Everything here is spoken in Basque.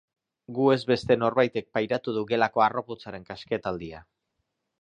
Gu ez beste norbaitek pairatu du gelako harroputzaren kasketaldia.